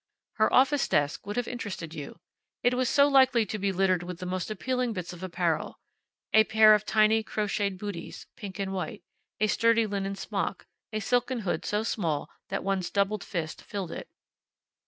Her office desk would have interested you. It was so likely to be littered with the most appealing bits of apparel a pair of tiny, crocheted bootees, pink and white; a sturdy linen smock; a silken hood so small that one's doubled fist filled it.